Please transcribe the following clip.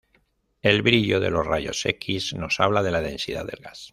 El brillo de los rayos X nos habla de la densidad del gas.